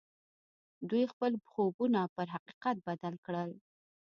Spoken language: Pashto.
دوی خپل خوبونه پر حقيقت بدل کړل.